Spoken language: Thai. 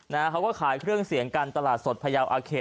เขาก็ขายเครื่องเสียงกันตลาดสดพยาวอาเขต